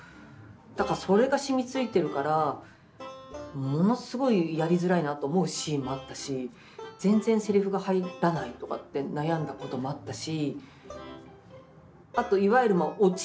だからそれがしみついてるからものすごいやりづらいなと思うシーンもあったし全然セリフが入らないとかって悩んだこともあったし。